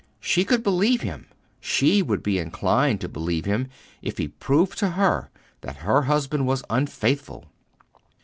She could believe him: she would be inclined to believe him, if he proved to her that her husband was unfaithful.